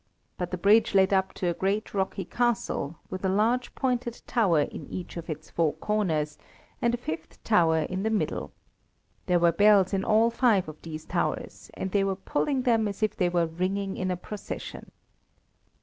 But the bridge led up to a great rocky castle, with a large pointed tower in each of its four corners, and a fifth tower in the middle. There were bells in all five of these towers, and they were pulling them as if they were ringing in a procession.